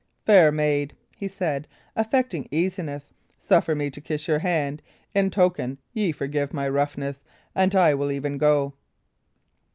"Fair maid," he said, affecting easiness, "suffer me to kiss your hand, in token ye forgive my roughness, and I will even go."